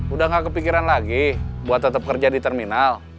udah gak kepikiran lagi buat tetap kerja di terminal